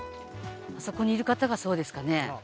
あそこにいる方がそうですかね？